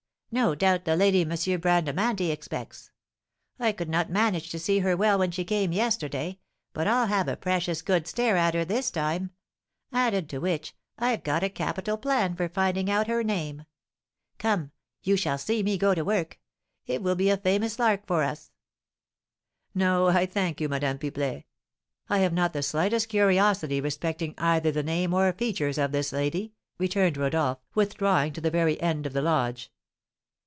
No doubt, the lady M. Bradamanti expects; I could not manage to see her well when she came yesterday, but I'll have a precious good stare at her this time; added to which, I've got a capital plan for finding out her name. Come, you shall see me go to work; it will be a famous lark for us!" "No, I thank you, Madame Pipelet; I have not the slightest curiosity respecting either the name or features of this lady," returned Rodolph, withdrawing to the very end of the lodge.